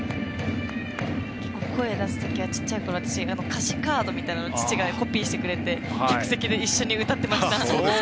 結構、声出すときは小さいころ私は歌詞カードみたいなものを父がコピーしてくれて一緒に歌ってました。